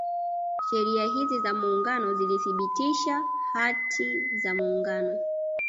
Sheria hizi za Muungano zilithibitisha Hati za Muungano